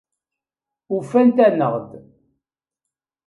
Ufant-aneɣ-d.